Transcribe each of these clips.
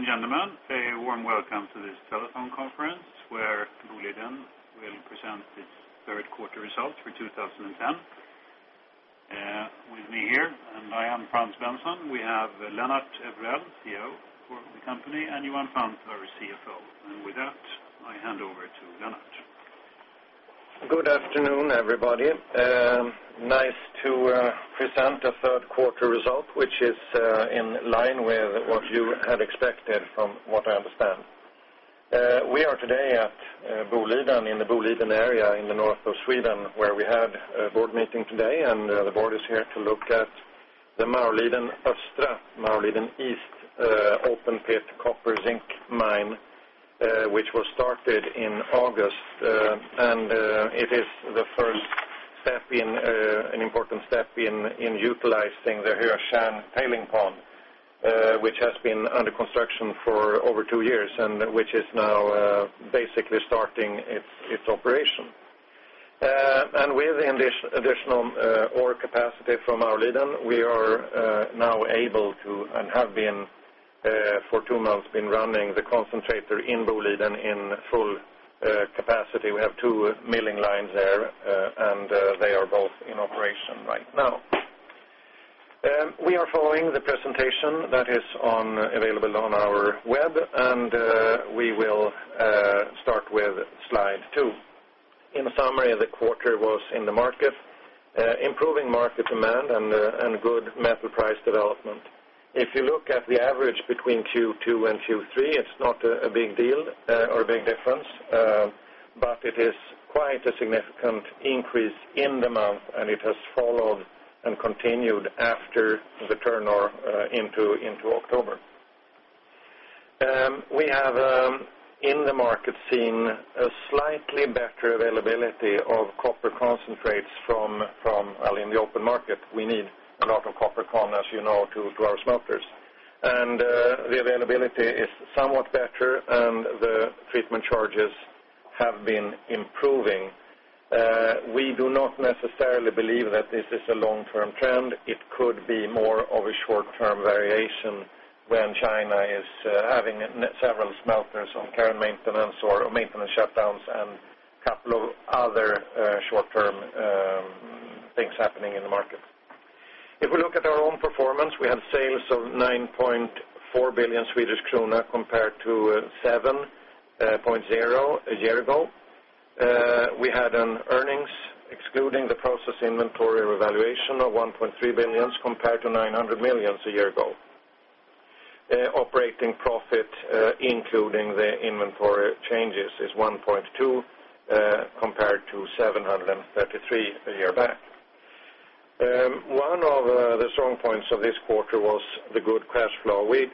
Ladies and gentlemen, a warm welcome to this telephone conference, where Guler then will present its 3rd quarter results for 2010. With me here, I am Franz Benson. We have Lennart Ebrell, CEO of the company and Johan Pfann, our CFO. And with that, I hand over to Lennart. Good afternoon, everybody. Nice to present a 3rd quarter result, which is in line with what you had expected from what I understand. We are today at Boliden in the Boliden area in the north of Sweden where we had a board meeting today and the board is here to look at the Maroliden Astra, Maroliden East open pit copper zinc mine, which was started in August. And it is the first step in an important step in utilizing the Heiachan tailing pond, which has been under construction for over 2 years and which is now basically starting its operation. And with additional ore capacity from our Liden, we are now able to and have been for 2 months been running the concentrator in Boliden in full capacity. We have 2 milling lines there and they are both in operation right now. We are following the presentation that is on available on our web and we will start with Slide 2. In summary, the quarter was in the market, improving market demand and good metal price development. If you look at the average between Q2 and Q3, it's not a big deal or a big difference, but it is quite a significant increase in the month and it has followed and continued after the turn or into October. We have in the market seen a slightly better availability of copper concentrates from in the open market. We need a lot of coppercon, as you know, to our smelters. And the availability is somewhat better and the treatment charges have been improving. We do not necessarily believe that this is a long term trend. It could be more of a short term variation when China is having several smelters of care and maintenance or maintenance shutdowns and a couple of other short term things happening in the market. If we look at our own performance, we had sales of 9,400,000,000 Swedish krona compared to 7 point 0 a year ago. We had an earnings excluding the process inventory revaluation of 1,300,000,000 compared to 900,000,000 a year ago. Operating profit, including the inventory changes, is 1.2 compared to 733 a year back. One of the strong points of this quarter was the good cash flow. We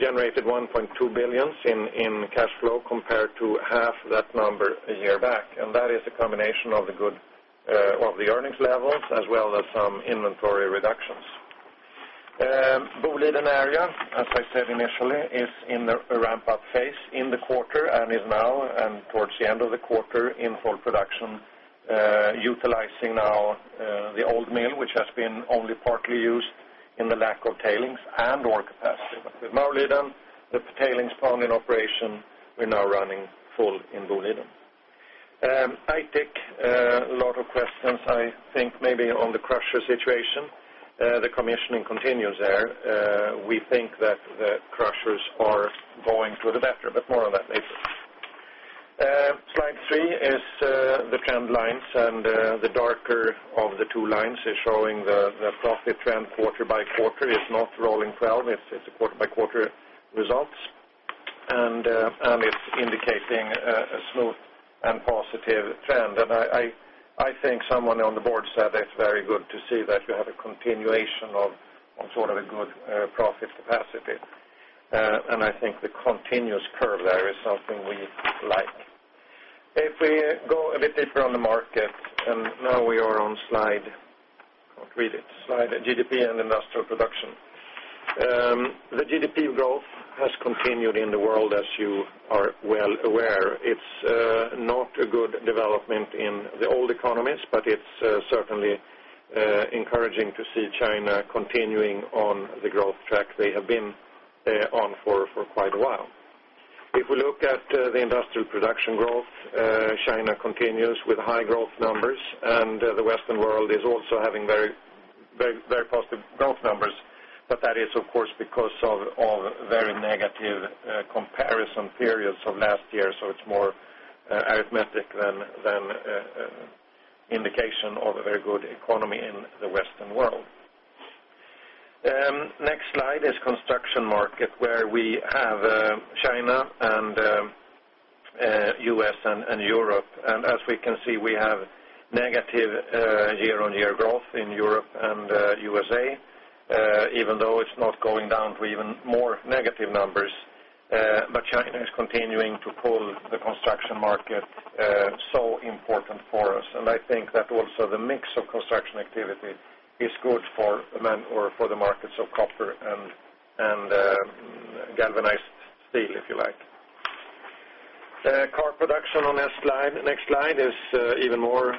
generated 1,200,000,000 in cash flow compared to half that number a year back. And that is a combination of the good of the earnings levels as well as some inventory reductions. Boudded and Area, as I said initially, is in the ramp up phase in the quarter and is now and towards the end of the quarter in full production, utilizing now the old mill, which has been only partly used in the lack of tailings and ore capacity. With Maurylidam, the tailings pond in operation, we're now running full in Boleylidam. I take a lot of questions. I think maybe on the crusher situation, the commissioning continues there. We think that crushers are going to the better, but more of that later. Slide 3 is the trend lines and the darker of the two lines is showing the profit trend quarter by quarter. It's not rolling 12%. It's a quarter by quarter results. And it's indicating a smooth and positive trend. And I think someone on the board said it's very good to see that you have a continuation of sort of a good profit capacity. And I think the continuous curve there is something we like. If we go a bit deeper on the market, and now we are on slide I can't read it, slide GDP and Industrial Production. The GDP growth has continued in the world as you are well aware. It's not a good development in the old economies, but it's certainly encouraging to see China continuing on the growth track they have been on for quite a while. If we look at the industrial production growth, China continues with high growth numbers and the Western world is also having very positive growth numbers. But that is, of course, because of very negative comparison periods of last year. So it's more arithmetic than indication of a very good economy in the Western world. Next slide is construction market where we have China and U. S. And Europe. And as we can see, we have negative year on year growth in Europe and U. S. A, even though it's not going down to even more negative numbers. But China is continuing to pull the construction market so important for us. And I think that also the mix of construction activity is good for the markets of copper and galvanized steel, if you like. Car production on this slide next slide is even more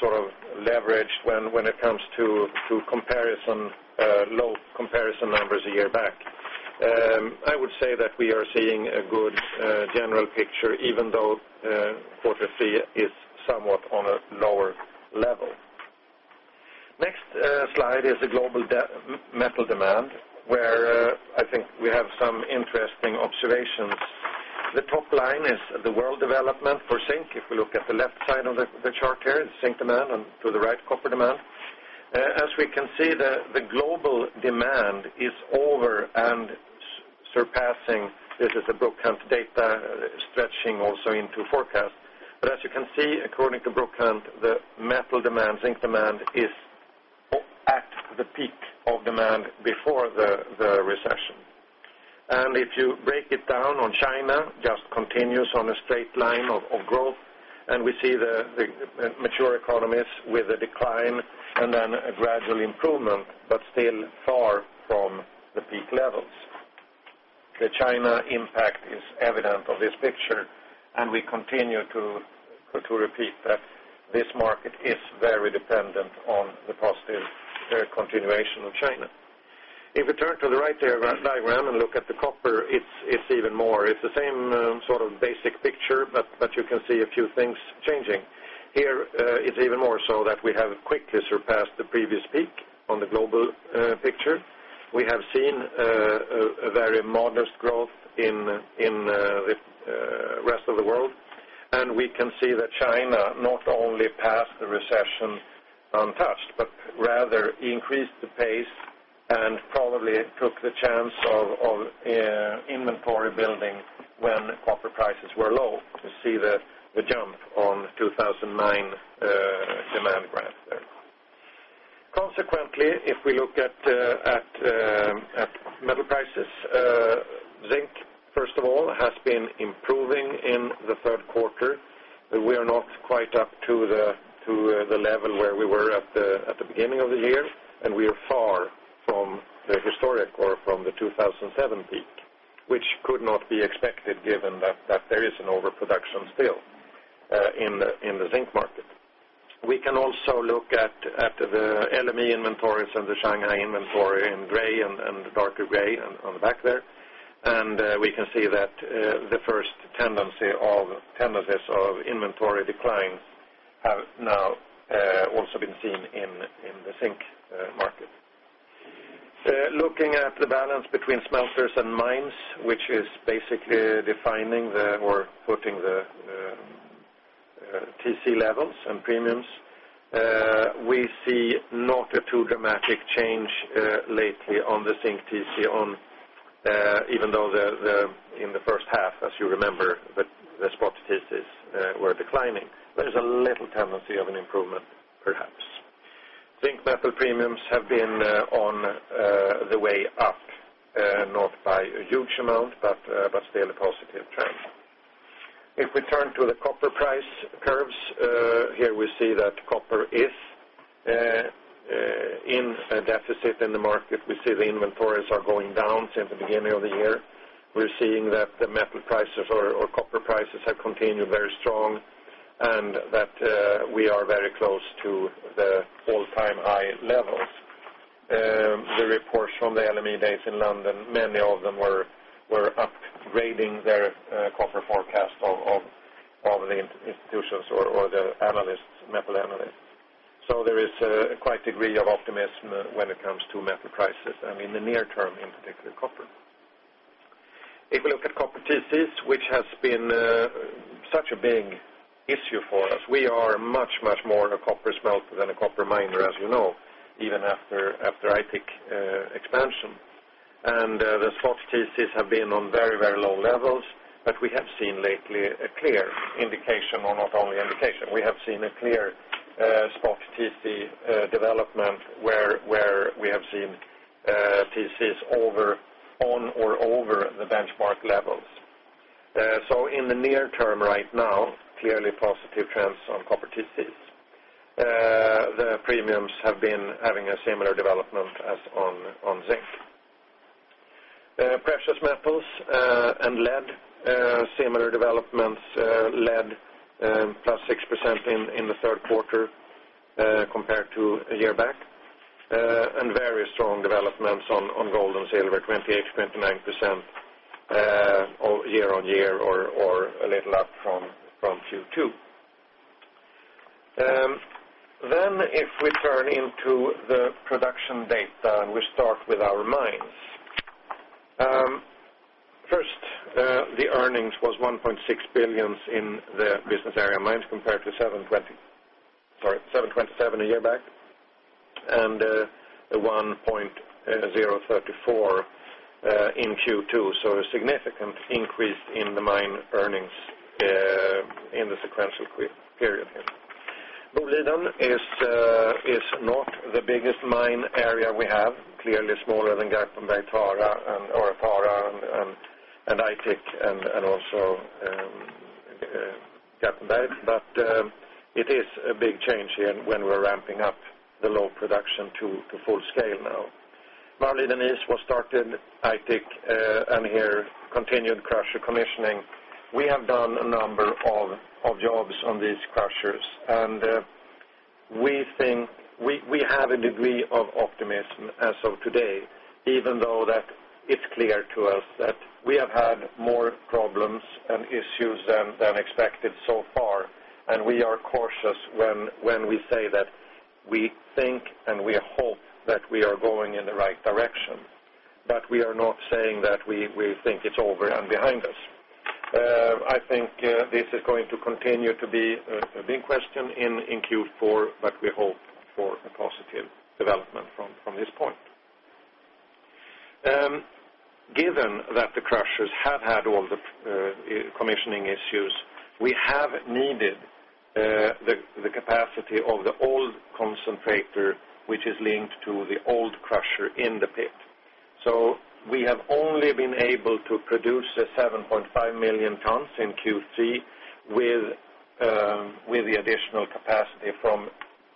sort of leveraged when it comes to comparison low comparison numbers a year back. I would say that we are seeing a good general picture even though quarter 3 is somewhat on a lower level. Next slide is the global metal demand, where I think we have some interesting observations. The top line is the world development for zinc. If we look at the left side of the chart here, zinc demand and to the right copper demand. As we can see, the global demand is over and surpassing this is a Brukhan's data stretching also into forecast. But as you can see, according to Bruck Hunt, the metal demand, zinc demand is at the peak of demand before the recession. And if you break it down on China, just continues on a straight line of growth, and we see the mature economies with a decline and then a gradual improvement, but still far from the peak levels. The China impact is evident of this picture, and we continue to repeat that this market is very dependent on the positive continuation of China. If we turn to the right diagram and look at the copper, it's even more. It's the same sort of basic picture, but you can see a few things changing. Here, it's even more so that we have quickly surpassed the previous peak on the global picture. We have seen a very modest growth in the rest of the world. And we can see that China not only passed the recession untouched, but rather increased the pace and probably took the chance of inventory building when copper prices were low to see the jump on 2,009 demand graph there. Consequently, if we look at metal prices, zinc, 1st of all, has been improving in the Q3. We are not quite up to the level where we were at the beginning of the year, and we are far from the historic or from the 2017, which could not be expected given that there is an overproduction still in the zinc market. We can also look at the LME inventories and the Shanghai inventory in gray and the darker gray on the back there. And we can see that the first tendency of tendencies of inventory decline have now also been seen in the zinc market. Looking at the balance between smelters and mines, which is basically defining the or putting the TC levels and premiums, We see not a too dramatic change lately on the zinc TC on even though in the first half, as you remember, the spot TCs were declining. There's a little tendency of an improvement perhaps. Zinc metal premiums have been on the way up, not by a huge amount, but still a positive trend. If we turn to the copper price curves, here we see that copper is in a deficit in the market. We see the inventories are going down since the beginning of the year. We're seeing that the metal prices or copper prices have continued very strong and that we are very close to the all time high levels. The reports from the LME days in London, many of them were upgrading their copper forecast of all the institutions or the analysts, metal analysts. So there is quite a degree of optimism when it comes to metal prices and in the near term, in particular, copper. We look at copper titties, which has been such a big issue for us, we are much, much more a copper smelter than a copper miner, as you know, even after Ipic expansion. And the spot statistics have been on very, very low levels, but we have seen lately a clear indication or not only indication. We have seen a clear spot TC development where we have seen TCs over on or over the benchmark levels. So in the near term right now, clearly positive trends on copper TCs. The premiums have been having a similar development as on zinc. Precious Metals and Lead, similar developments. Lead plus 6% in the 3rd quarter compared to a year back. And very strong developments on gold and silver, 28%, 29% year on year or a little up from Q2. Then if we turn into the production data and we start with our mines. First, the earnings was 1,600,000,000 in the Business Area Mines compared to 7.27 a year back and $1.034 in Q2. So a significant increase in the mine earnings in the sequential period here. Buliden is not the biggest mine area we have, clearly smaller than Gatenberg Tara and Orfara and Aitik and also Gatenbeg. But it is a big change here when we're ramping up the low production to full scale now. Marlin and East was started, I think, and here, continued crusher commissioning. We have done a number of jobs on these crushers. And we think we have a degree of optimism as of today, even though that it's clear to us that we have had more problems and issues than expected so far. And we are cautious when we say that we think and we hope that we are going in the right direction. But we are not saying that we think it's over and behind us. I think this is going to continue to be a big question in Q4, but we hope for a positive development from this point. Given that the crushers have had all the commissioning issues, we have needed the capacity of the old concentrator, which is linked to the old crusher in the pit. So we have only been able to produce 7,500,000 tonnes in Q3 with the additional capacity from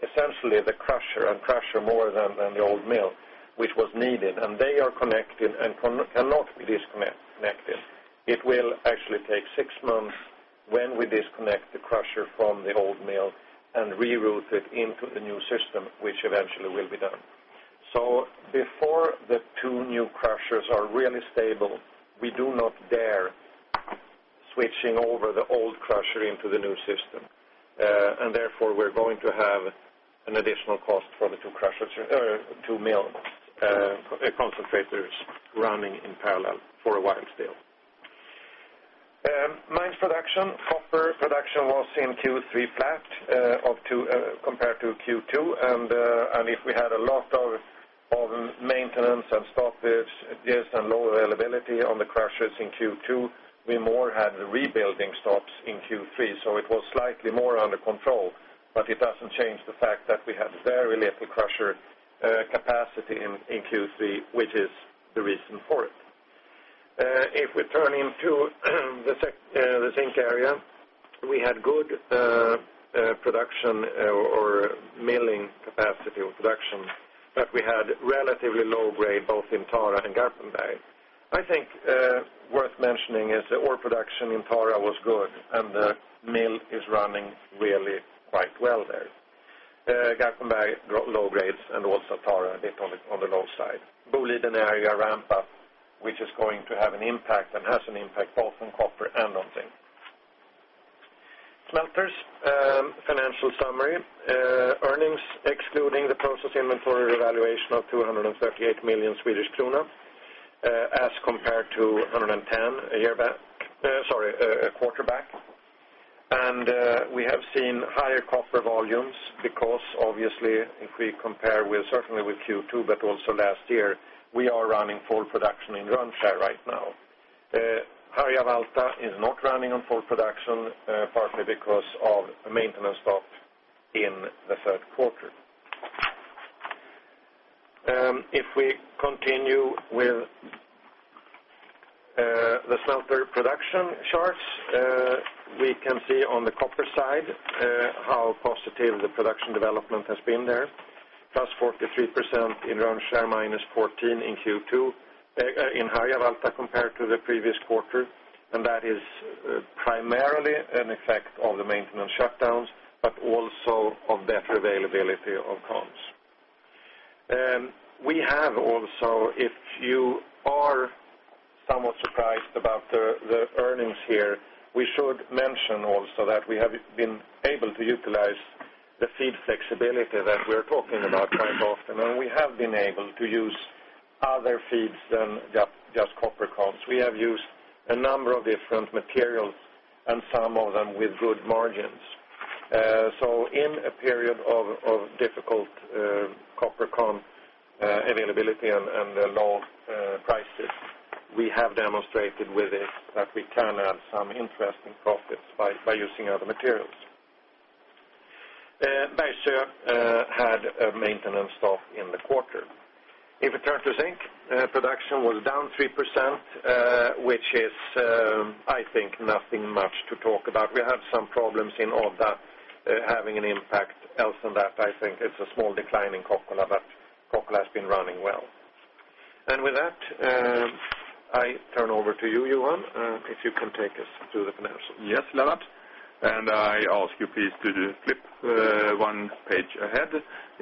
essentially the crusher and crusher more than the old mill, which was needed. And they are connected and cannot be disconnected. It will actually take 6 months when we disconnect the crusher from the old mill and reroute it into the new system, which eventually will be done. So before the 2 new crushers are really stable, we do not dare switching over the old crusher into the new system. And therefore, we're going to have an additional cost for the 2 crushers 2 mill concentrators running in parallel for a while still. Mines production. Copper production was in Q3 flat compared to Q2. And if we had a lot maintenance and stoppages and lower availability on the crushers in Q2, we more had rebuilding stops in Q3. So it was slightly more under control, but it doesn't change the fact that we had very little crusher capacity in Q3, which is the reason for it. If we turn into the zinc area, we had good production or milling capacity or production, but we had relatively low grade both in Tara and Garpenberg. I think worth mentioning is the ore production in Tara was good and the mill is running really quite well there. Gakkenberg drove low grades and also Tara did on the low side. We did an area ramp up, which is going to have an impact and has an impact both on copper and on zinc. Smelters, financial summary. Earnings excluding the process inventory revaluation of 238,000,000 Swedish kronor as compared to 110,000,000 a year back sorry, a quarter back. And we have seen higher copper volumes because obviously, if we compare with certainly with Q2, but also last year, we are running full production in Rundshall right now. Harjavalta is not running on full production partly because of maintenance stop in the Q3. If we continue with the smelter production charts, we can see on the copper side how positive the production development has been there, plus 43% in Ronnshare minus 14% in Q2 in Harjavalta compared to the previous quarter. And that is primarily an effect of the maintenance shutdowns, but also of better availability of cans. We have also, if you are somewhat surprised about the earnings here, We should mention also that we have been able to utilize the feed flexibility that we're talking about kind of often. And we have been able to use other feeds than just copper comps. We have used a number of different materials and some of them with good margins. So in a period of difficult coppercon availability and low prices, We have demonstrated with it that we can add some interesting profits by using other materials. Berge had maintenance stock in the quarter. If we turn to zinc, production was down 3%, which is I think nothing much to talk about. We have some problems in order having an impact. Else than that, I think it's a small decline in Coca Cola, but Coca Cola has been running well. And with that, I turn over to you, Johan, if you can take us through the financials. Yes, Leavat. And I ask you please to flip 1 page ahead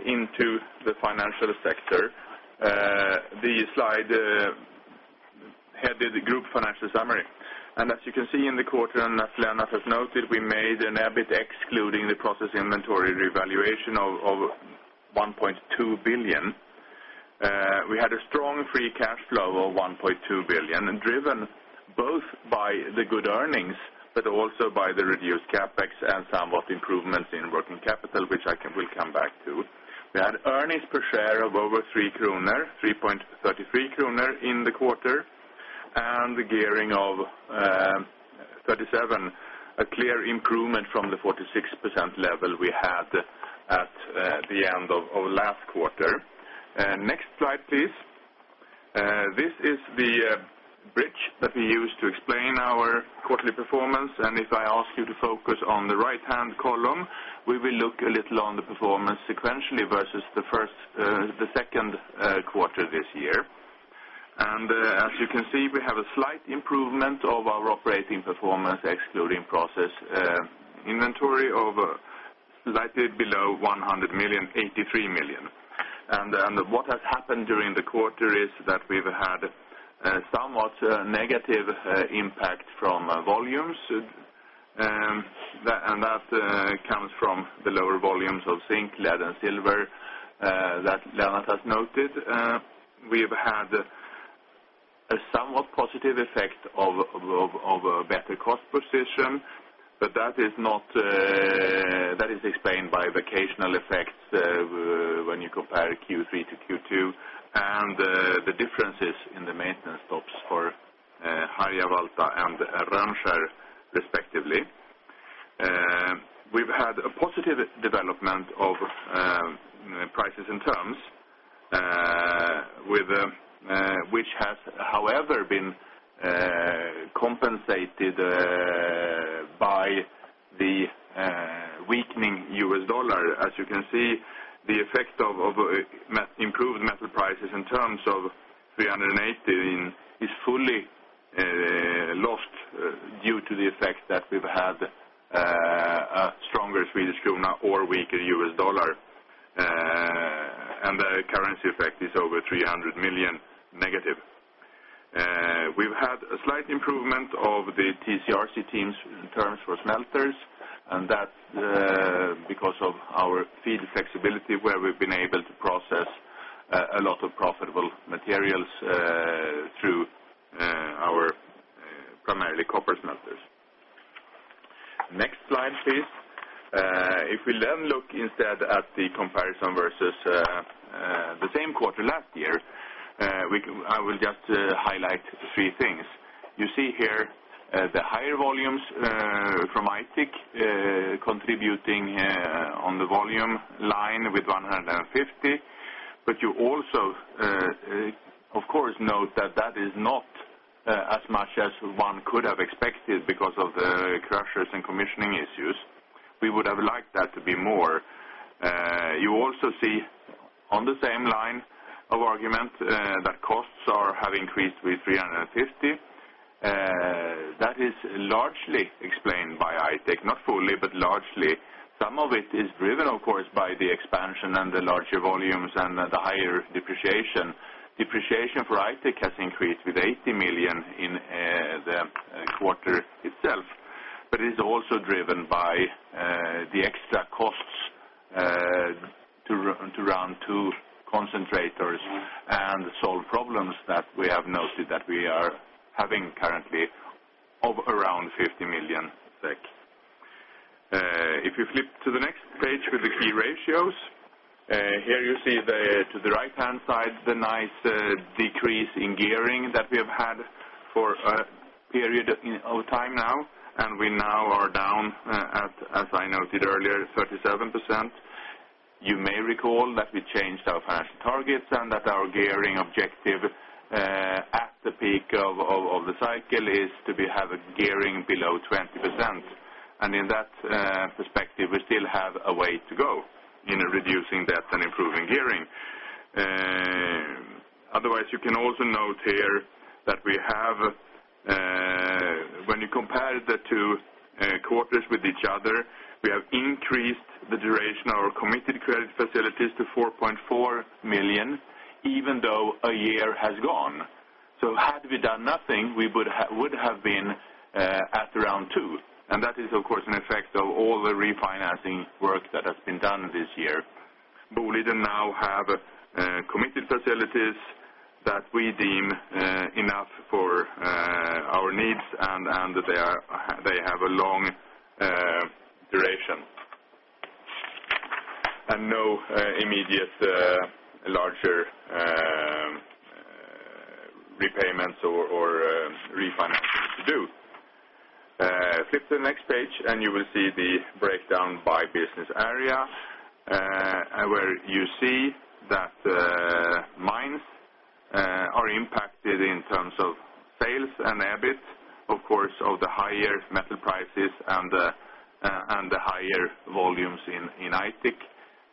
into the financial sector. The slide headed the group financial summary. And as you can see in the quarter and as Lennart has noted, we made an EBIT excluding the process inventory revaluation of €1,200,000,000 We had a strong free cash flow of €1,200,000,000 driven both by the good earnings, but also by the reduced CapEx and somewhat improvements in working capital, which I will come back to. We had earnings per share of over 3,000,000,000 kroner 3.33 in the quarter and the gearing of 37,000,000 a clear improvement from the 46% level we had at the end of last quarter. Next slide please. This is the bridge that we use to explain our quarterly performance. And if I ask you to focus on the right hand column, we will look a little sequentially versus the first the second quarter this year. And as you can see, we have a slight improvement of our operating performance excluding process inventory of slightly below 100,000,000 83,000,000. And what has happened during the quarter is that we've had somewhat negative impact from volumes, and that comes from the lower volumes of zinc, lead and silver that Laurent has noted. We have had a somewhat positive effect of a better cost position, but that is not that is explained by vocational effects when you compare Q3 to Q2 and the differences in the maintenance stops for Harjavalta and Ranskar respectively. We've had a positive development of prices and terms with which has however been compensated by the weakening U. S. Dollar. As you can see, the effect of improved metal prices in terms of 380,000,000 is fully lost due to the effect that we've had a stronger Swedish krona or weaker U. S. Dollar and the currency effect is over €300,000,000 negative. We've had a slight improvement of the TCRC team's terms for smelters and that's because of our feed flexibility where we've been able to process a lot of profitable materials through our primarily copper smelters. Next slide please. If we then look instead at the comparison versus the same quarter last year, I will just highlight 3 things. You see here the higher volumes from Aitik contributing on the volume line with €150,000,000 But you also, of course, note that, that is not as much as one could have expected because of the crushers and commissioning issues. We would have liked that to be more. You also see on the same line of argument that costs are have increased with 350. That is largely explained by Aitik, not fully, but largely. Some of it is driven, of course, by the expansion and the larger volumes and the higher depreciation. Depreciation for Aitik has increased with €80,000,000 in the quarter itself, but it is also driven by the extra costs to run to concentrators and solve problems that we have noted that we are having currently of around 50,000,000 SEK. If you flip to the next page with the key ratios, here you see to the right hand side the nice decrease in gearing that we have had for a period of time now, and we now are down at, as I noted earlier, 37%. You may recall that we changed our financial targets and that our gearing objective at the peak of the cycle is to be have a gearing below 20%. And in that perspective, we still have a way to go in reducing debt and improving gearing. Otherwise, you can also note here that we have when you compare the 2 quarters with each other, we have increased the duration of our committed credit facilities to 4.4 €1,000,000 even though a year has gone. So had we done nothing, we would have been at around €2,000,000 And that is, of course, an effect of all the refinancing work that has been done this year. Boliden now have committed facilities that we deem enough for our needs and they have a long duration and no immediate larger repayments or refinancing to do. Flip to the next page and you will see the breakdown by business area where you see that mines are impacted in terms of sales and EBIT, of course, of the higher metal prices and the higher volumes in Aitik,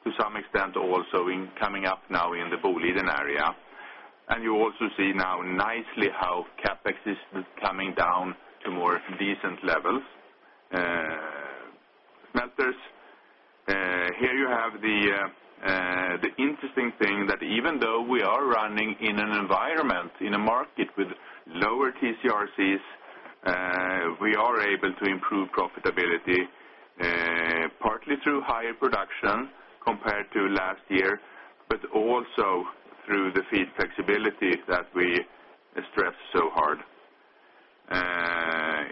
to some extent, also coming up now in the Boliden area. And you also see now nicely how CapEx is coming down to more decent levels. Matters, here you have the interesting thing that even though we are running in an environment in a market with lower TCRCs, we are able to improve profitability partly through higher production compared to last year, but also through the feed flexibility that we stress so hard.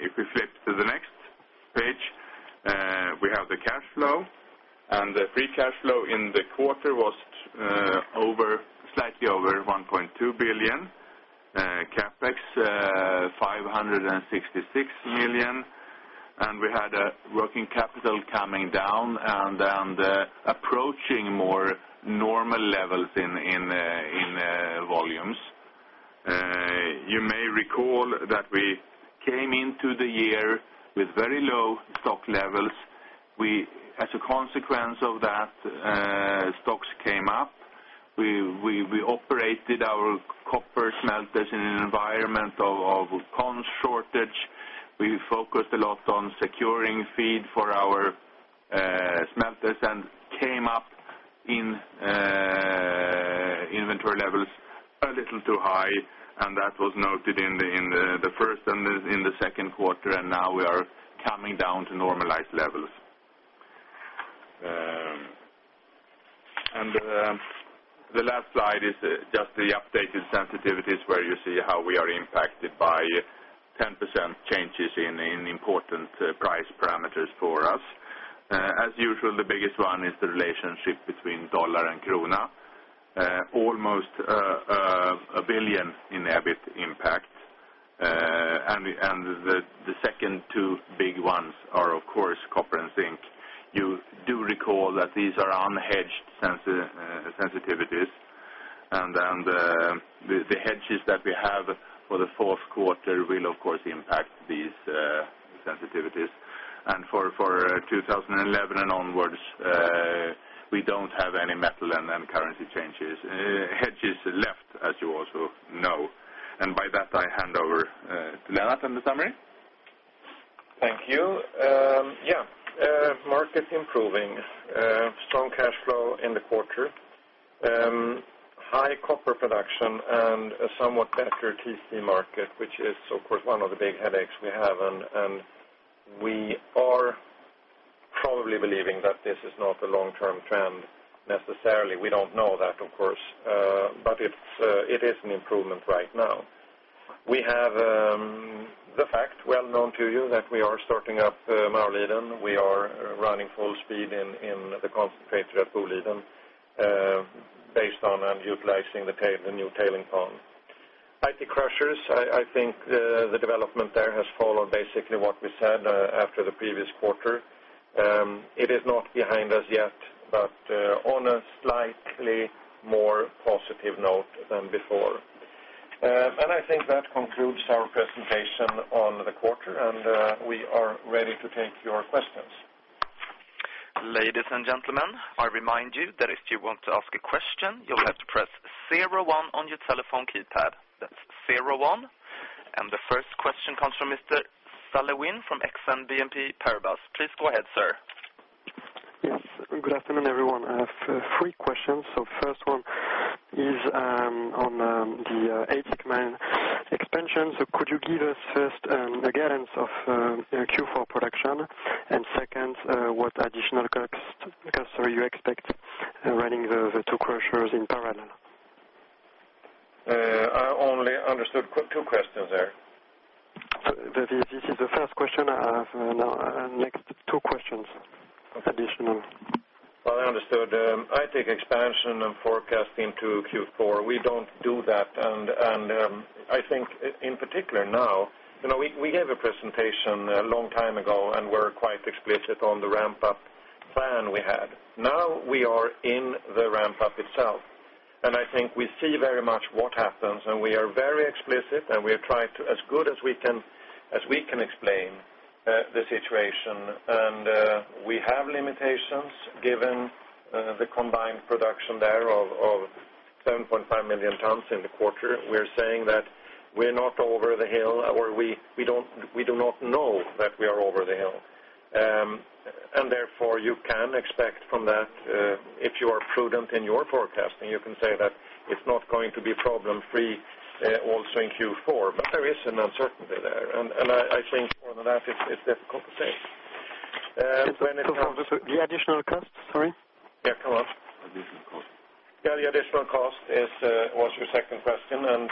If we flip to the next page, we have the cash flow. And the free cash flow in the quarter was over slightly over 1,200,000,000 CapEx 566,000,000 and we had working capital coming down and approaching more normal levels in volumes. You may recall that we came into the year with very low stock levels. We as a consequence of that, stocks came up. We operated our copper smelters in an environment of corn shortage. We focused a lot on securing feed for our smelters and came up in inventory levels a little too high, and that was noted in the first and in the second quarter. And now we are coming down to normalized levels. And the last slide is just the updated sensitivities where you see how we are impacted by 10% changes in important price parameters for us. As usual, the biggest one is the relation between dollar and krona, almost 1,000,000,000 in EBIT impact. And the second two big ones are, of course, copper and zinc. You do recall that these are unhedged sensitivities. And then the hedges that we have for the Q4 will, of course, impact these sensitivities. And for 2011 and onwards, we don't have any metal and currency hedges left as you also know. And by that, I hand over to Lennart in the summary. Thank you. Yes, market improving, strong cash flow in the quarter, high copper production and a somewhat better TC market, which is, of course, one of the big headaches we have. And we are probably believing that this is not a long term trend necessarily. We don't know that, of course. But it is an improvement right now. We have the fact well known to you that we are starting up Maureliden. We are running full speed in the concentrator at Boliden based on and utilizing the new tailing pond. IT crushers, I think the development there has followed basically what we said after the previous quarter. It is not behind us yet, but on a slightly more positive note than before. And I think that concludes our And the first question comes from Mr. Salveen from Exane BNP Paribas. Please go ahead, sir. Yes. Good afternoon, everyone. I have three questions. So first one is on the Aitik mine expansion. So could you give us first the guidance of Q4 production? And second, what additional costs are you expecting running the 2 crushers in parallel? I only understood. Two questions there. This is the first question I have. Next, two questions additional. Well, I understood. I think expansion and forecast into Q4, we don't do that. And I think in particular now, we gave a presentation a long time ago and were quite explicit on the ramp up plan we had. Now we are in the ramp up itself. And I think we see very much what happens and we are very explicit and we are trying to as good as we can explain the situation. And we have limitations given the combined production there of 7,500,000 tons in the quarter, we're saying that we're not over the hill or we do not know that we are over the hill. And therefore, you can expect from that if you are prudent in your forecasting, you can say that it's not going to be problem free also in Q4, but there is an uncertainty there. And I think more than that, it's difficult to say. The additional cost, sorry? Yes, come on. Additional cost. Yes, the additional cost is was your second question. And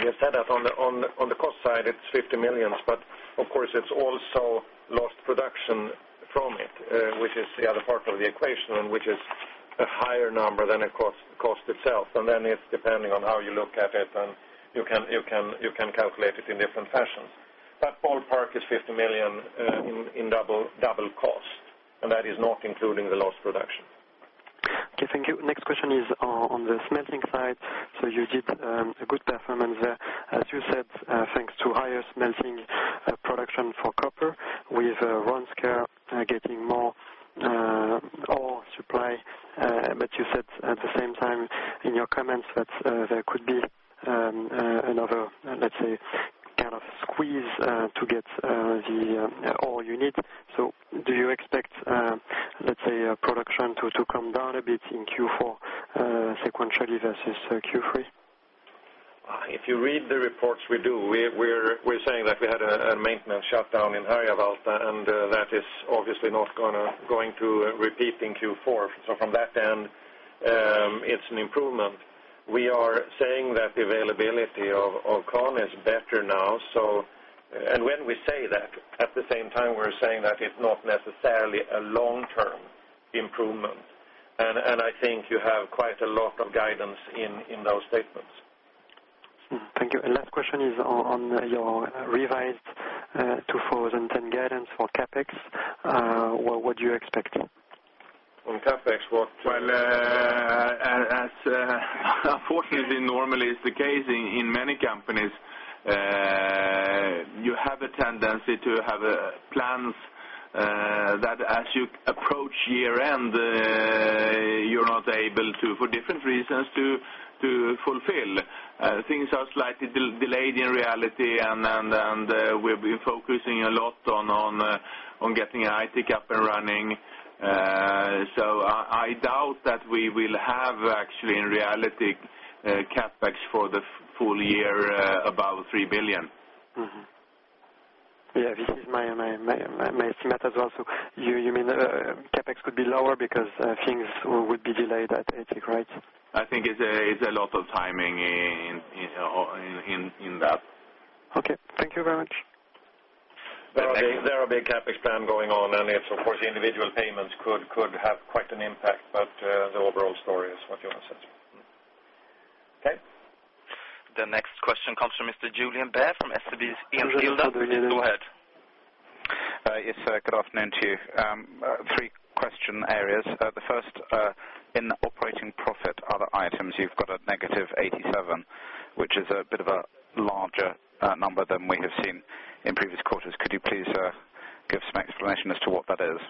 you said that on the cost side, it's €50,000,000 But of course, it's also lost production from it, which is the other part of the equation and which is a higher number than the cost itself. And then it's depending on how you look at it and you can calculate it in different fashions. That ballpark is €50,000,000 in double cost and that is not including the lost production. Okay. Next question is on the smelting side. So you did a good performance there. As you said, thanks to higher smelting production for copper with Ronskoye getting more ore supply. But you said at the same time in your comments that there could be another, let's say, kind of squeeze to get the ore you need. So do you expect, let's say, production to come down a bit in Q4 sequentially versus Q3? If you read the reports we do, we're saying that we had a maintenance shutdown in Harjavalta and that is obviously not going to repeat in Q4. So from that end, it's an improvement. We are saying that the availability of corn is better now. So and when we say that, at the same time, we're saying that it's not necessarily a long term improvement. And I think you have quite a lot of guidance in those statements. Thank you. And last question is on your revised 2010 guidance for CapEx. What do you expect? On CapEx what? Well, as unfortunately, normally is the case in many companies, you have a tendency to have plans that as you approach year end, you're not able to, for different reasons, to fulfill. Things are slightly delayed in reality and we've been focusing a lot on getting IT up and running. So I doubt that we will have actually in reality CapEx for the full year above 3,000,000,000. Yes. This is my estimate as well. So you mean CapEx could be lower because things would be delayed at Eintzig, right? I think it's a lot of timing in that. Okay. Thank you very much. There are big CapEx plan going on and it's of course individual payments could have quite an impact, but the overall story is what Johan said. Okay. The next question comes from Mr. Julien Baer from SEB's Ian Hilda. Please go ahead. Yes, good afternoon to you. Three question areas. The first, in operating profit other items, you've got a negative 87,000,000, which is a bit of a larger number than we have seen in previous quarters. Could you please give some explanation as to what that is?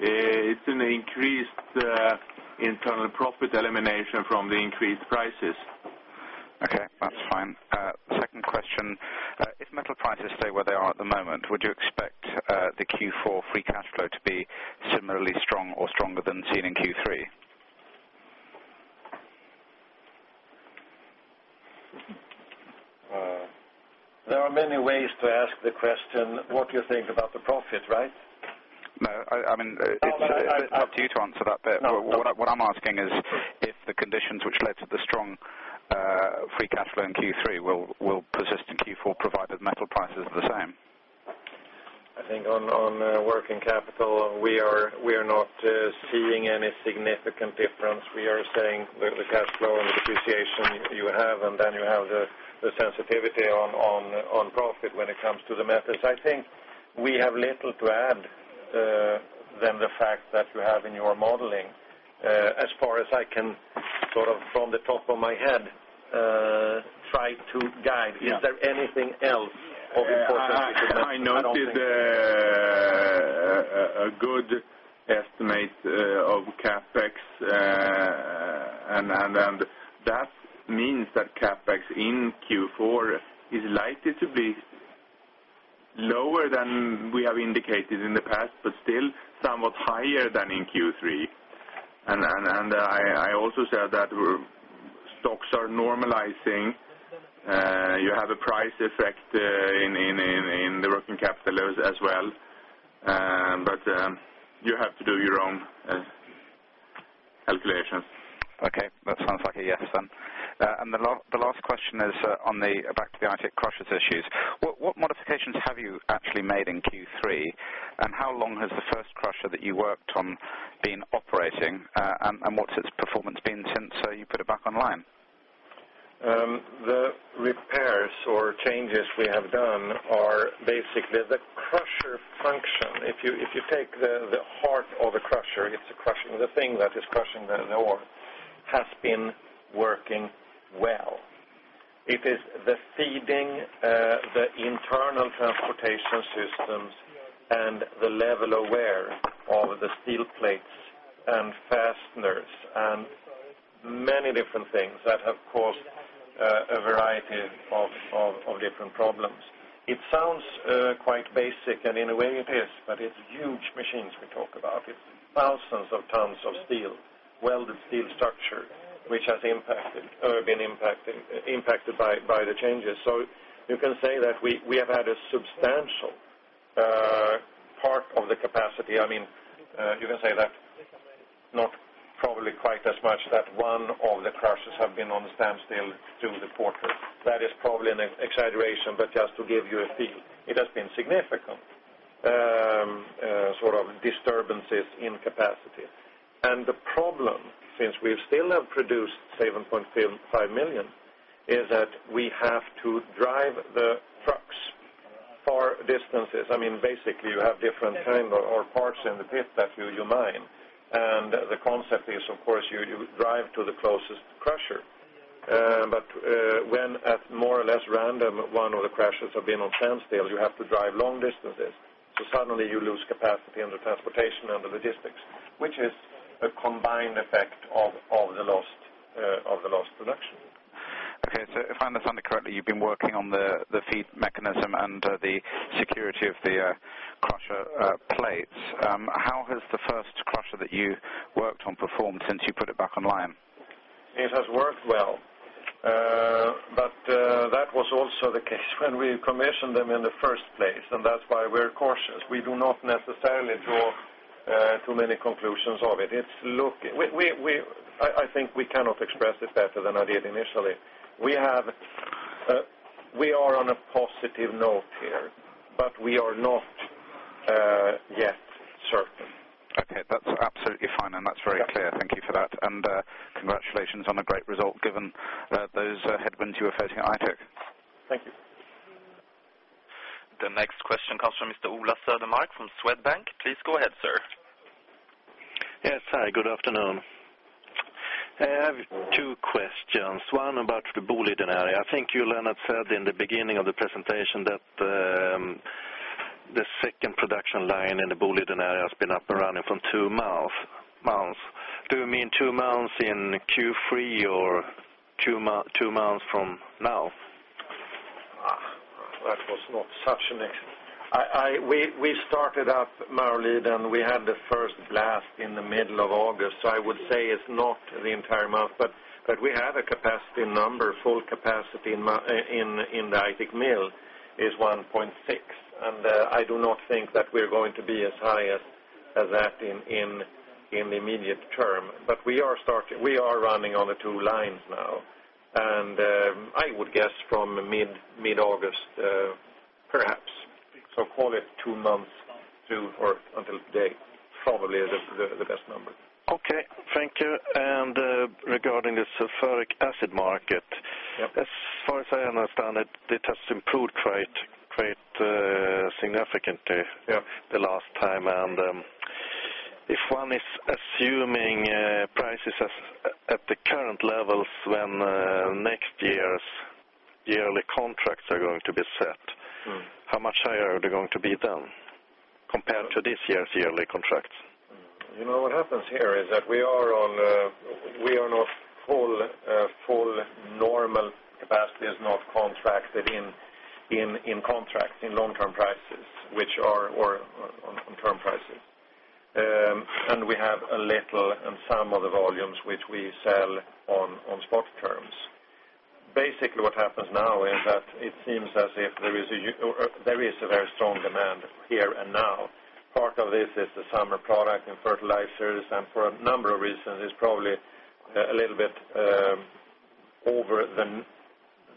It's an increased internal profit elimination from the increased prices. Okay. That's fine. Second question. If metal prices stay where they are at the moment, would you expect the Q4 free cash flow to be similarly strong or stronger than seen in Q3? There are many ways to ask the question, what do you think about the profit, right? No. I mean, it's up to you to answer that bit. What I'm asking is, if the conditions which led to the strong free cash flow in Q3 will persist in Q4 provided metal prices are the same? I think on working capital, we are not seeing any significant difference. We are saying the cash flow and the depreciation you have and then you have the sensitivity on profit when it comes to the methods. I think we have little to add than the fact that you have in your modeling as far as I can sort of from the top of my head try to guide. Is there anything else of the forecast that I noted? I noted a good estimate of CapEx and that means that CapEx in Q4 is likely to be lower than we have indicated in the past, but still somewhat higher than in Q3. And I also said that stocks are normalizing. You have a price effect in the working capital as well, but you have to do your own calculations. Okay. That sounds like a yes then. And the last question is on the abaktivianic crushers issues. What modifications have you actually made in Q3? And how long has the first crusher that you worked on been operating? And what's its performance been since you put it back online? The repairs or changes we have done are basically the crusher function. If you take the heart of the crusher, it's crushing the thing that is crushing the ore has been working well. It is the feeding, the internal transportation systems and the level aware of the steel plates and fasteners and many different things that have caused a variety of different problems. It sounds quite basic and in a way it is, but it's huge machines we talk about. It's thousands of tons of steel, welded steel structure, which has impacted or been impacted by the changes. So you can say that we have had a substantial part of the capacity. I mean, you can say that not probably quite as much that one of the crushers have been on a standstill through the quarter. That is probably an exaggeration, but just to give you a feel, it has been significant sort of disturbances in capacity. And the problem since we still have produced 7,500,000 is that we have to drive the trucks far distances. I mean, basically, you have different kind of parts in the pit that you mine. And the concept is, of course, you drive to the closest crusher. But when at more or less random one of the crushers have been on sand stales, you have to drive long distances. So suddenly you lose capacity under transportation and the logistics, which is a combined effect of the lost production. Okay. So if I understand it correctly, you've been working on the FEED mechanism and the security of the crusher plates. How has the first crusher that you worked on performed since you put it back online? It has worked well. But that was also the case when we commissioned them in the 1st place, and that's why we're cautious. We do not necessarily draw too many conclusions of it. It's look I think we cannot express it better than I did initially. We have we are on a positive note here, but we are not yet certain. Okay. That's absolutely fine and that's very clear. Thank you for that. And congratulations on a great result given those headwinds you were facing at Aitik. Thank you. The next question comes from Mr. Ulla Sodermaerg from Swedbank. Please go ahead, sir. Yes. Hi, good afternoon. I have two questions. One about the Boliden area. I think you, Leonard, said in the beginning of the presentation that the 2nd production line in the Boliden area has been up and running from 2 months. Do you mean 2 months in Q3 or 2 months from now? That was not such an issue. We started up, Marillith, and we had the first blast in the middle of August. So I would say it's not the entire month, but we have a capacity number, full capacity in the Ithig Mill is 1.6. And I do not think that we're going to be as high as that in the immediate term. But we are starting we are running on the two lines now. And I would guess from mid August perhaps, so call it 2 months to or until today probably is the best number. Okay. Thank you. And regarding the sulfuric acid market, as far as I understand it, it has improved quite significantly the last time. And if one is assuming prices at the current levels when next year's yearly contracts are going to be set, how much higher are they going to be done compared to this year's yearly contracts? What happens here is that we are on we are not full normal capacity. It's not contracted in contracts, in long term prices, which are or on term prices. And we have a little and some of the volumes which we sell on spot terms. Basically what happens now is that it seems as if there is a very strong demand here and now. Part of this is the summer product and fertilizers and for a number of reasons is probably a little bit over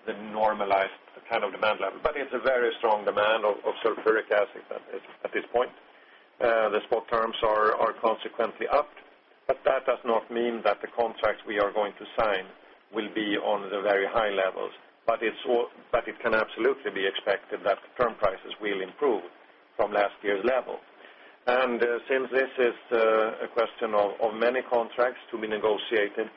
the normalized kind of demand level. But it's a very strong demand of sulfuric acid at this point. The spot terms are consequently up, but that does not mean that the contracts we are going to sign will be on the very high levels. But it can absolutely be expected that the firm prices will improve from last year's level. And since this is a question of many contracts to be negotiated,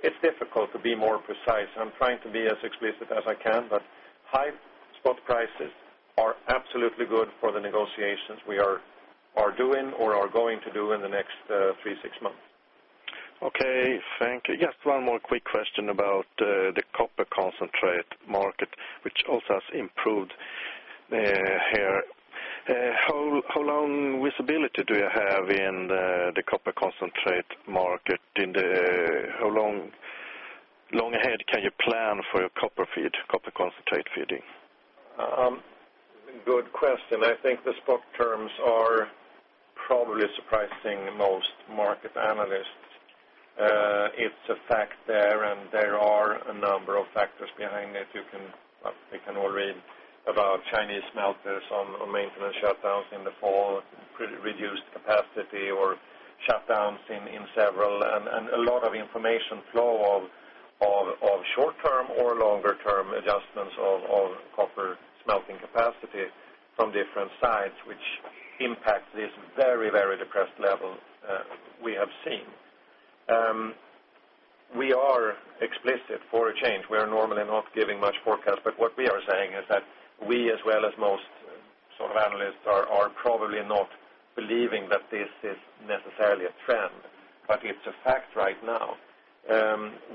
It's difficult to be more precise. I'm trying to be as explicit as I can, but high spot prices are absolutely good for the negotiations we are doing or are going to do in the next 3, 6 months. Okay. Thank you. Just one more quick question about the copper concentrate market, which also has improved here. How long visibility do you have in the copper concentrate market in the how long ahead can you plan for your copper feed copper concentrate feeding? Good question. I think the spot terms are probably surprising most market analysts. It's a fact there and there are a number of factors behind it. You can all read about Chinese smelters on maintenance shutdowns in the fall, reduced capacity or shutdowns in several and a lot of information flow of short term or longer term adjustments of copper smelting capacity from different sites, which impacts this very, very depressed level we have seen. We are explicit for a change. We are normally not giving much forecast. But what we are saying is that we as well as most sort of analysts are probably not believing that this is necessarily a trend, but it's a fact right now.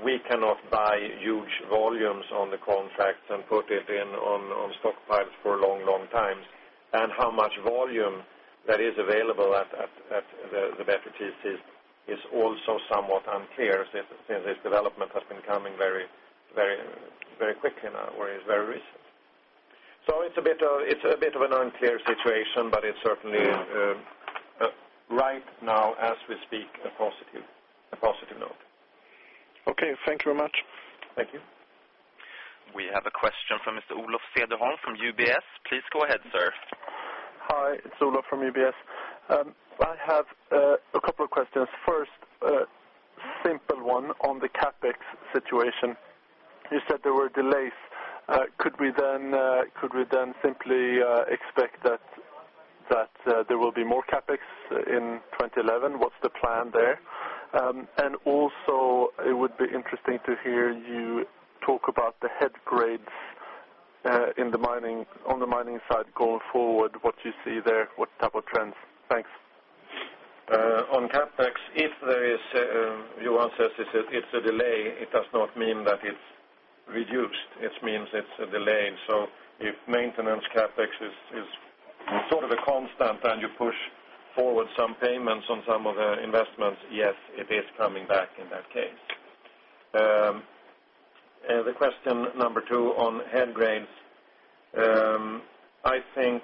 We cannot buy huge volumes on the contracts and put it in on stockpiles for a long, long time. And how much volume that is available at the better TCs is also somewhat unclear since this development has been coming very quickly now where it's very recent. So it's a bit of an unclear situation, but it's certainly right now as we speak a positive note. Okay. Thank you very much. Thank you. We have a question from Mr. Olof Siederhorn from UBS. Please go ahead, sir. Hi. It's Olof from UBS. I have a couple of questions. First, simple one on the CapEx situation. You said there were delays. Could we then simply expect that there will be more CapEx in 2011? What's the plan there? And also, it would be interesting to hear you talk about the head grades in the mining on the mining side going forward, what you see there, what type of trends? Thanks. On CapEx, if there is Johan says it's a delay, it does not mean that it's reduced. It means it's a delay. So if maintenance CapEx is sort of a constant and you push forward some payments on some of the investments, yes, it is coming back in that case. The question number 2 on head grades. I think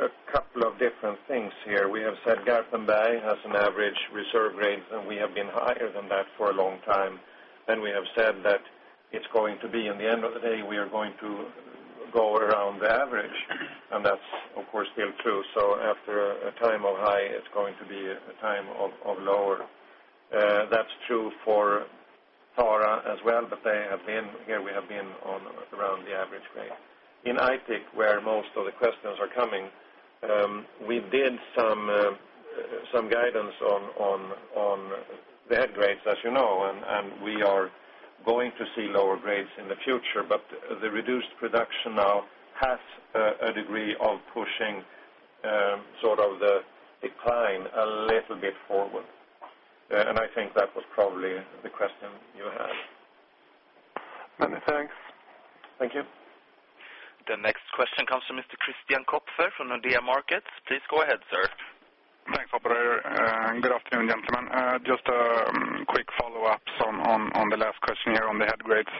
a couple of different things here. We have said Garpenberg has an average reserve grade and we have been higher than that for a long time. And we have said that it's going to be at the end of the day, we are going to go around the average. And that's, of course, still true. So after a time of high, it's going to be a time of lower. That's true for Tara as well, but they have been here we have been on around the average grade. In Aitik, where most of the questions are coming, we did some guidance on their grades, as you know, and we are going to see lower grades in the future. But the reduced production now has a degree of pushing sort of the decline a little bit forward. And I think that was probably the question you had. Many thanks. Thank you. The next question comes from Mr. Christian Kopse from Nordea Markets. Please go ahead, sir. Thanks, operator. Good afternoon, gentlemen. Just a quick follow-up on the last question here on the head grades.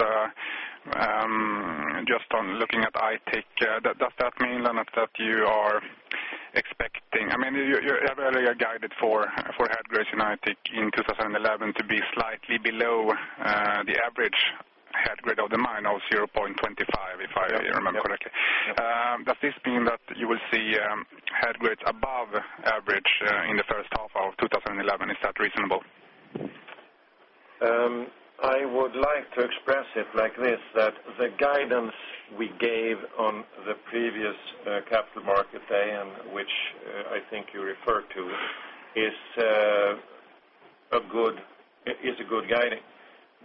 Just on looking at Aitik, does that mean that you are expecting? I mean, you have earlier guided for head grades in Aitik in 2011 to be slightly below the average head grade of the mine of 0.25, if I remember correctly. Does this mean that you will see head grades above average in the first half of twenty eleven? Is that reasonable? I would like to express it like this that the guidance we gave on the previous Capital Markets Day and which I think you referred to is a good guiding.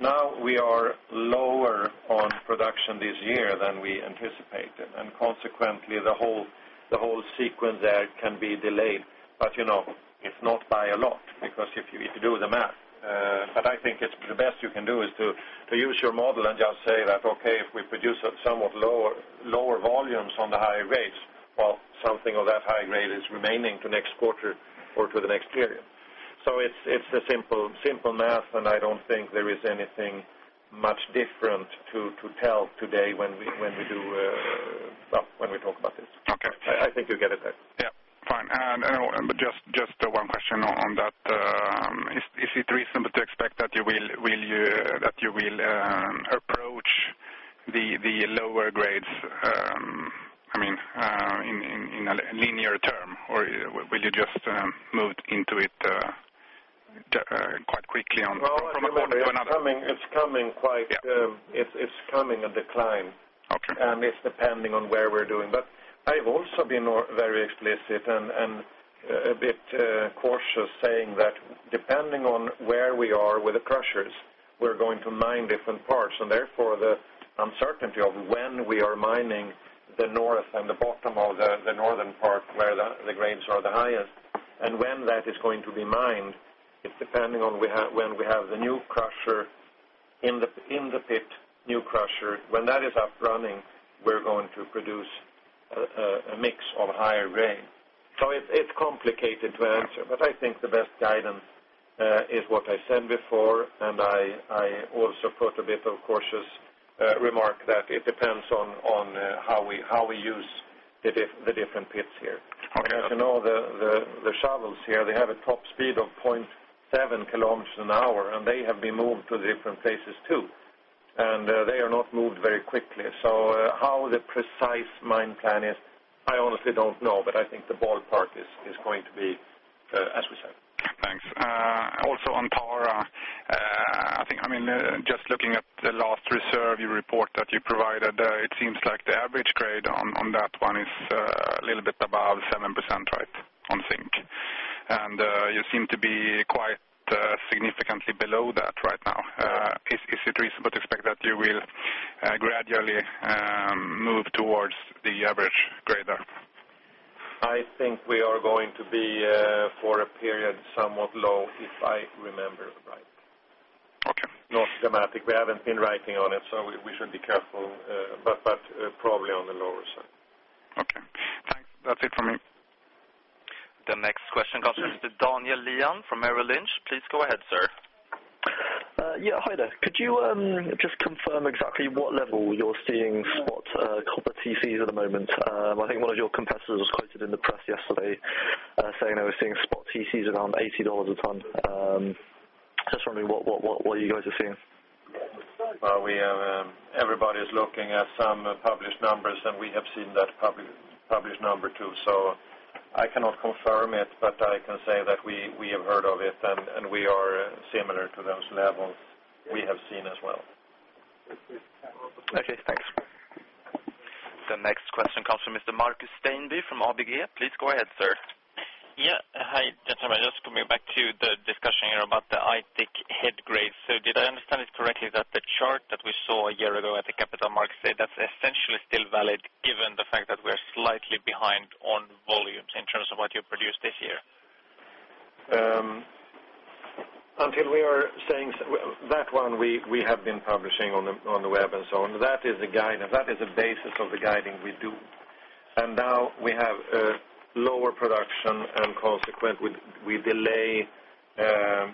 Now we are lower on production this year than we anticipated. And consequently, the whole sequence there can be delayed. But it's not by a lot because if you do the math, but I think it's the best you can do is to use your model and just say that, okay, if we produce somewhat lower volumes on the higher rates, well, something of that high grade is remaining to next quarter or to the next period. So it's a simple math, and I don't think there is anything much different to tell today when we do when we talk about this. I think you get it there. Yes, fine. And just one question on that. It reasonable to expect that you will approach the lower grades, I mean, in a linear term? Or will you just move into it quite quickly on from a quarter to another? It's coming quite. It's coming a decline. Okay. And it's depending on where we're doing. But I've also been very explicit and a bit cautious saying that depending on where we are with the crushers, we're going to mine different parts. And therefore, the uncertainty of when we are mining the north and the bottom of the northern part where the grades are the highest and when that is going to be mined, it's depending on when we have the new crusher in the pit, new crusher. When that is up running, we're going to produce a mix of higher grade. So it's complicated to answer, but I think the best guidance is what I said before. And I also put a bit of cautious remark that it depends on how we use the different pits here. As you know, the shovels here, they have a top speed of 0.7 kilometers an hour, and they have been moved to different places too. And they are not moved very quickly. So how the precise mine plan is, I honestly don't know. But I think the ballpark is going to be as we said. Thanks. Also on Tara, I think I mean just looking at the last reserve you report that you provided, it seems like the average grade on that one is a little bit above 7%, right, on zinc. And you seem to be quite significantly below that right now. Is it reasonable to expect that you will gradually move towards the average grade there? I think we are going to be for a period somewhat low, if I remember right. Okay. Not dramatic, we haven't been writing on it, so we should be careful, but probably on the lower side. Okay. That's it for me. The next question comes from Daniel Lian from Merrill Lynch. Please go ahead, sir. Could you just confirm exactly what level you're seeing spot copper TCs at the moment? I think one of your competitors was quoted in the press yesterday saying they were seeing spot TCs around $80 a tonne. Just wondering what you guys are seeing? Well, we have everybody is looking at some published numbers, and we have seen that published number, too. So I cannot confirm it, but I can say that we have heard of it and we are similar to those levels we have seen as well. Okay. Thanks. The next question comes from Mr. Markus Steynby from ABG. Please go ahead, sir. Yes. Hi, gentlemen. Just coming back to the discussion here about the Aitik head grades. So did I understand it correctly that the chart that we saw a year ago at the Capital Markets Day, that's essentially still valid given the fact that we are slightly behind on volumes in terms of what you produced this year? Until we are saying that one we have been publishing on the web and so on. That is the guidance. That is the basis of the guiding we do. And now we have lower production and consequently we delay the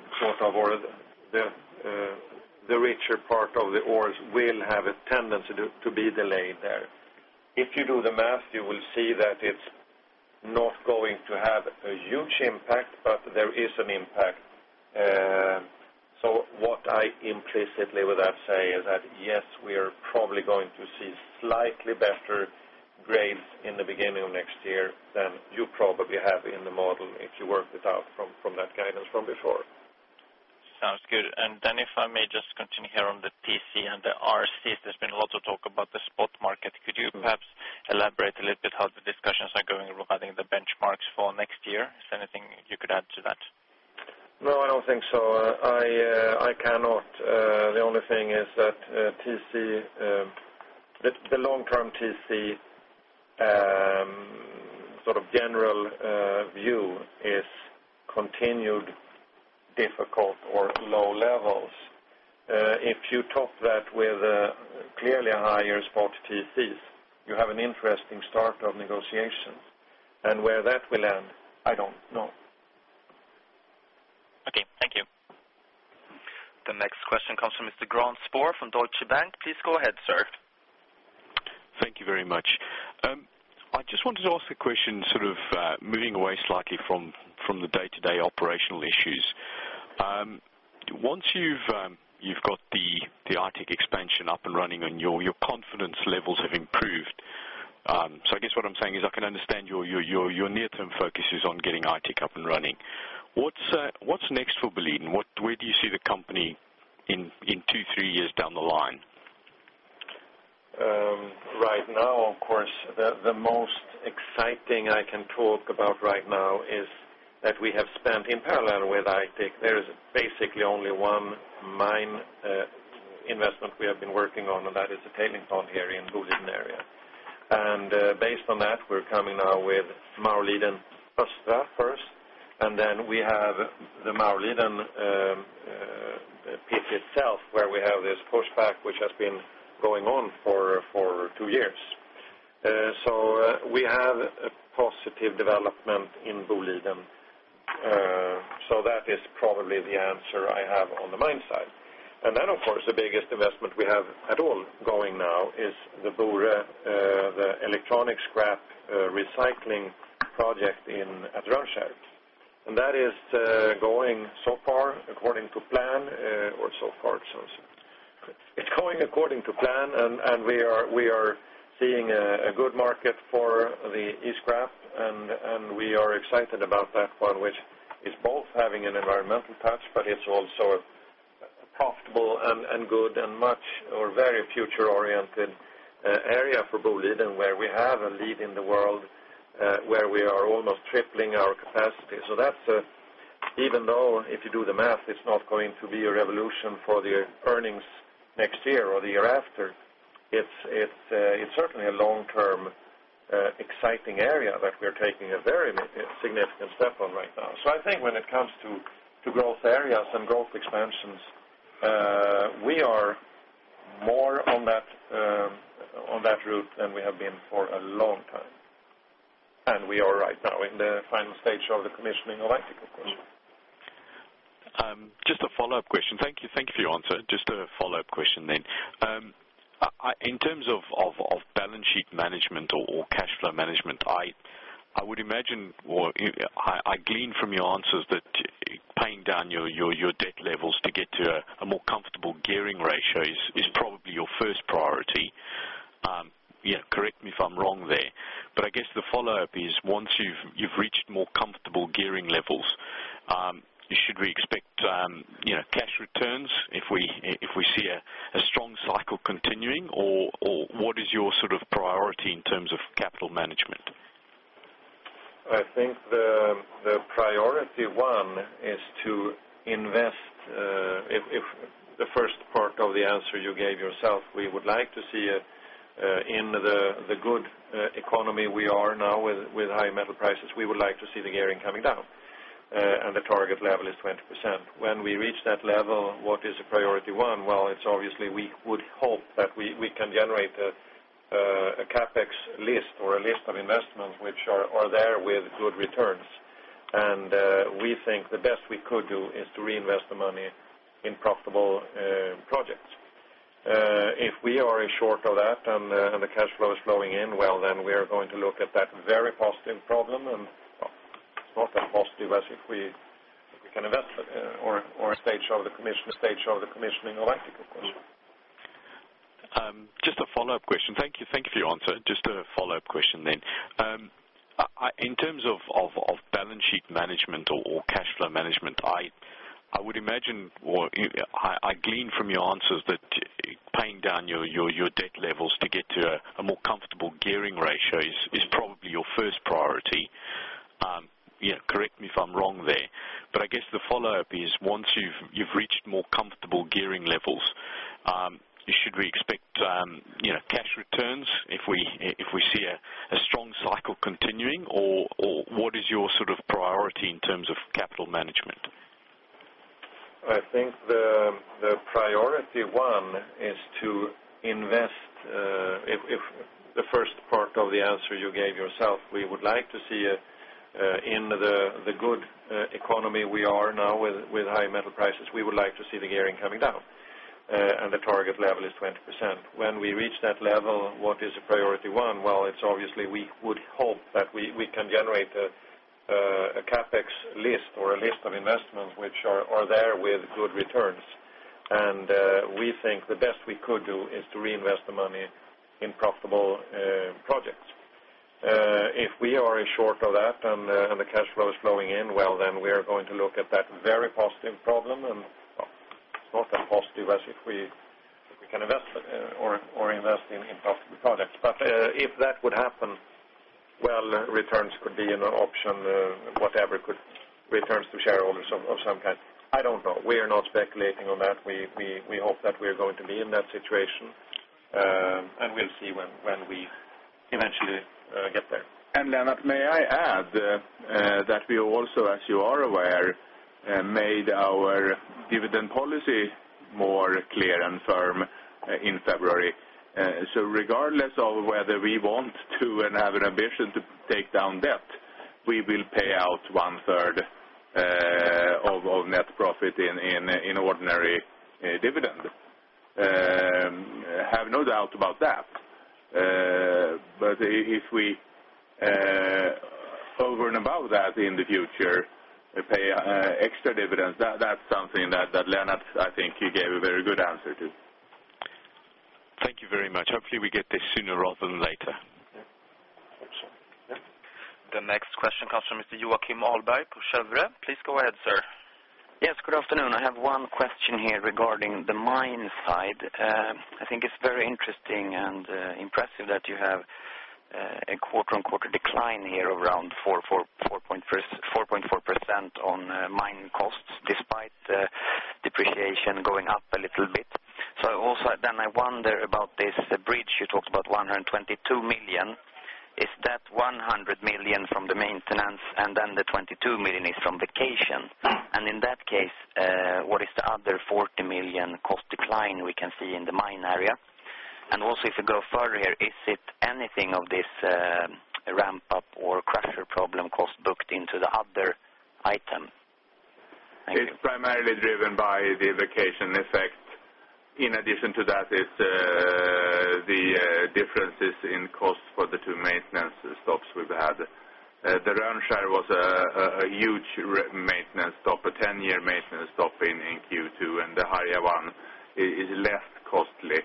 richer part of the ores will have a tendency to be delayed there. If you do the math, you will see that it's not going to have a huge impact, but there is an impact. So what I implicitly would have to say is that, yes, we are probably going to see slightly better grades in the beginning of next year than you probably have in the model if you work it out from that guidance from before. Sounds good. And then if I may just continue here on the TC and the RCs, there's been a lot of talk about the spot market. Could you perhaps elaborate a little bit how the discussions are going regarding the benchmarks for next year? Is there anything you could add to that? No, I don't think so. I cannot. The only thing is that TC the long term TC sort of general view is continued difficult or low levels. If you top that with clearly higher spot TCs, you have an interesting start of negotiations. And where that will end, I don't know. Okay. Thank you. The next question comes from Mr. Graeme Spohr from Deutsche Bank. Please go ahead, sir. Thank you very much. I just wanted to ask a question sort of moving away slightly from the day to day operational issues. Once you've got the Aitik expansion up and running and your confidence levels have improved, so I guess what I'm saying is I can understand your near term focus is on getting Aitik up and running. What's next for Berlin? Where do you see the company in 2, 3 years down the line? Right now, of course, the most exciting I can talk about right now is that we have spent in parallel with Aitik. There is basically only one mine investment we have been working on and that is the tailing pond here in Bouludin area. And based on that, we're coming now with Maurylideen first. And then we have the Maurylideen pit itself where we have this pushback, which has been going on for 2 years. So we have a positive development in Boliden. So that is probably the answer I have on the mine side. And then, of course, the biggest investment we have at all going now is the Bure, the electronic scrap recycling project in at Randschert. And that is going so far according to plan or so far. It's going according to plan and we are seeing a good market for the East Craft and we are excited about that one which is both having an environmental touch, but it's also a profitable and good and much or very future oriented area for Boullid and where we have a lead in the world, where we are almost tripling our capacity. So that's even though if you do the math, it's not going to be a revolution for the earnings next year or the year after, it's certainly a long term exciting area that we're taking a very significant step on right now. So I think when it comes to growth areas and growth expansions, we are more on that route than we have been for a long time. And we are right now in the final stage of the commissioning of Ithaca, of course. Just a follow-up question. Thank you for your answer. Just a follow-up question then. In terms of balance sheet management or cash flow management, I would imagine or I glean from your answers that paying down your debt levels to get to a more comfortable gearing ratio is probably your first priority. Correct me if I'm wrong there. But I guess the follow-up is once you've reached more comfortable gearing levels, should we expect cash returns if we see a strong cycle continuing? Or what is your sort of priority in terms of capital management? I think the priority one is to invest the first part of the answer you gave yourself, we would like to see in the good economy we are now with high metal prices, we would like to see the gearing coming down and the target level is 20%. When we reach that level, what is the priority 1? Well, it's obviously we would hope that we can generate a CapEx list or a list of investments, which are there with good returns. And we think the best we could do is to reinvest the money in profitable projects. If we are short of that and the cash flow is flowing in, well then we are going to look at that very positive problem and it's not that positive as if we can invest or stage of the commission stage of the commissioning of Antico Ghosn. Just a follow-up question. Thank you for your answer. Just a follow-up In terms of balance sheet management or cash flow management, I would imagine I glean from your answers that paying down your debt levels to get to a more comfortable gearing ratio is probably your first priority. Correct me if I'm wrong there. But I guess the follow-up is once you've reached more comfortable gearing levels, should we expect cash returns if we see a strong cycle continuing? Or what is your sort of priority in terms of capital management? I think the priority one is to invest the first part of the answer you gave yourself, we would like to see in the good economy we are now with high metal prices, we would like to see the gearing coming down. And the target level is 20%. When we reach that level, what is priority 1? Well, it's obviously we would hope that we can generate a CapEx list or a list of investments, which are there with good returns. And we think the best we could do is to reinvest the money in profitable projects. If we are short of that and the cash flow is flowing in, well then we are going to look at that very positive problem and it's not as positive as if we can invest or invest in profitable products. But if that would happen, well, returns could be an option, whatever could returns to shareholders of some kind. I don't know. We are not speculating on that. We hope that we are going to be in that situation and we'll see when we eventually get there. And Leonard, may I add that we also as you are aware made our dividend policy more clear and firm in February. So regardless of whether we want to and have an ambition to take down debt, we will pay out 1 third of net profit in ordinary dividend. I have no doubt about that. But if we over and above that in the future pay extra dividends. That's something that, Leonhard, I think you gave a very good answer to. Thank you very much. Hopefully, we get this sooner rather than later. The next question comes from Mr. Joakim Malbeuk, Kepler Cheuvreux. Please go ahead, sir. Yes, good afternoon. I have one question here regarding the mine side. I think it's very interesting and impressive that you have a quarter on quarter decline here of around 4.4 percent on mine costs despite depreciation going up a little bit. So also then I wonder about this bridge. You talked about 122 1,000,000. Is that SEK100 1,000,000 from the maintenance and then the SEK22 1,000,000 is from vacation? And in that case, what is the other €40,000,000 cost decline we can see in the mine area? And also if you go further here, is it anything of this ramp up or crusher problem cost booked into the other item? It's primarily driven by the vacation effect. In addition to that, it's the differences in costs for the 2 maintenance stops we've had. The Reimshire was a huge maintenance stop, a 10 year maintenance stop in Q2 and the Harjavans is less costly.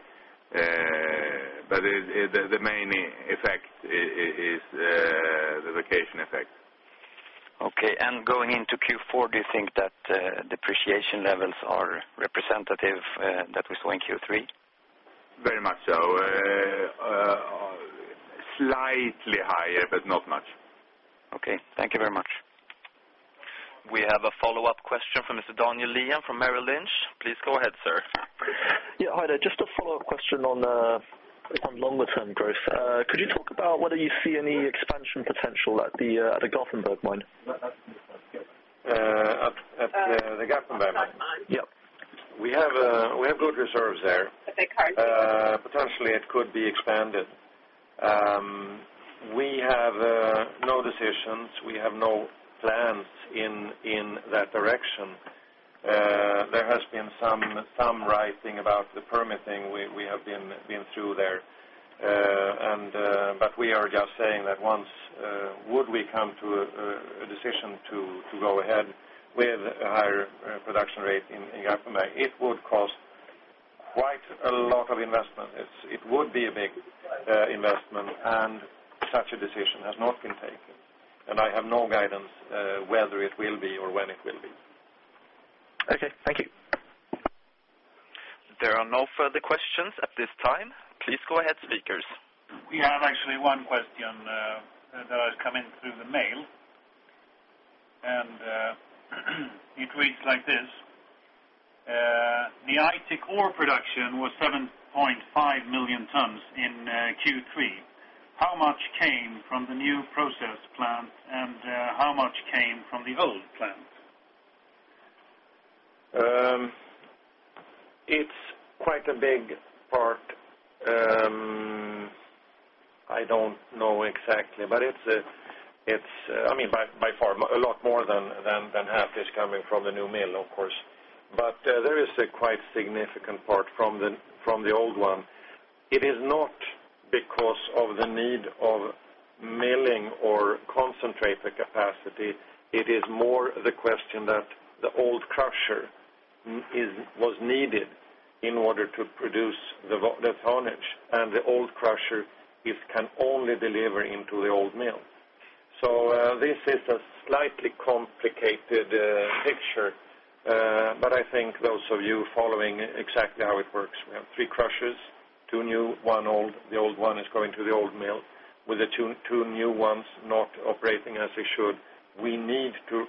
But the main effect is the vacation effect. Okay. And going into Q4, do you think that depreciation levels are representative that we saw in Q3? Very much so. Slightly higher, but not much. Okay. Thank you very much. We have a follow-up question from Mr. Daniel Leyan from Merrill Lynch. Please go ahead, sir. Yes. Hi, there. Just a follow-up question longer term growth. Could you talk about whether you see any expansion potential at the Garfinburg mine? At the Gothenburg mine? Yes. We have good reserves there. Potentially, it could be expanded. We have no decisions. We have no plans in that direction. There has been some writing about the permitting. We have been through there. And but we are just saying that once would we come to a decision to go ahead with higher production rate in Gaffney, it would cost quite a lot of investment. It would be a big investment and such a decision has not been taken. And I have no guidance whether it will be or when it will be. Okay. Thank you. There are no further questions at this time. Please go ahead, speakers. We have actually one question that has come in through the mail. And it reads like this. The Aitik ore production was 7,500,000 tons in Q3. How much came from the new process plant? And how much came from the old plant? It's quite a big part. I don't know exactly, but it's I mean, by far, a lot more than half ish coming from the new mill, of course. But there is a quite significant part from the old one. It is not because of the need of milling or concentrator capacity. It is more the question that the old crusher was needed in order to produce the tonnage and the old crusher can only deliver into the old mill. So this is a slightly complicated picture, but I think those of you following exactly how it works, we have 3 crushers, 2 new, 1 old. The old one is going to the old mill with the 2 new ones not operating as they should. We need to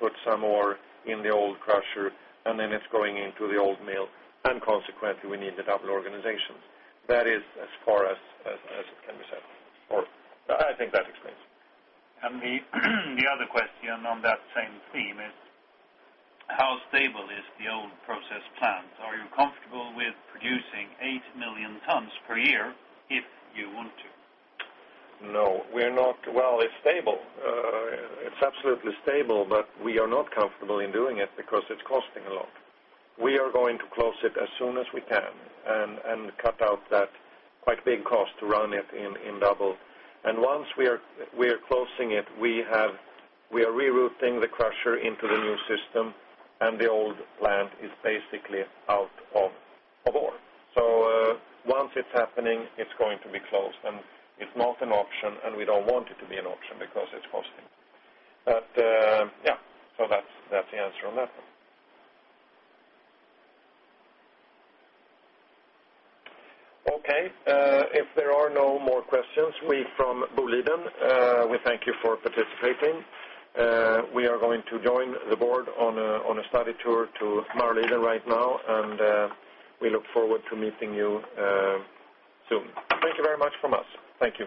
put some ore in the old crusher and then it's going into the old mill. And consequently, we need the double organization. That is as far as it can be said or I think that explains. And the other question on that same theme is how stable is the old process plant? Are you comfortable with producing 8,000,000 tonnes per year if you want to? No. We are not well, it's stable. It's absolutely stable, but we are not comfortable in doing it because it's costing a lot. We are going to close it as soon as we can and cut out that quite big cost to run it in double. And once we are closing it, we have we are rerouting the crusher into the new system and the old plant is basically out of ore. So once it's happening, it's going to be closed. And it's not an option, and we don't want it to be an option because it's positive. But yes, so that's the answer on that one. Okay. If there are no more questions, we from Boliden, we thank you for participating. We are going to join the Board on a study tour to Marliden right now, and we look forward to meeting you soon. Thank you very much from us. Thank you.